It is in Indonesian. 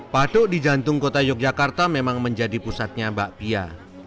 patuk di jantung kota yogyakarta memang menjadi pusatnya bakpia